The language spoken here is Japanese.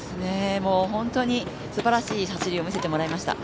本当にすばらしい走りを見せてもらいました。